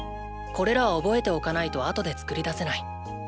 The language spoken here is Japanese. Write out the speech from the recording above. これらは覚えておかないと後で作り出せない。